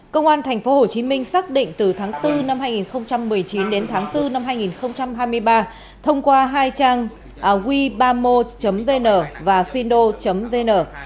công an tp hcm xác định từ tháng bốn năm hai nghìn một mươi chín đến tháng bốn năm hai nghìn hai mươi ba thông qua hai trang web bamo vn và findo vn